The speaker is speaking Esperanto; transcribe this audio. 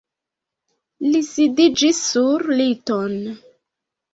Li sidiĝis sur liton.